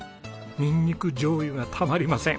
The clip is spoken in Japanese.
ニンニク醤油がたまりません。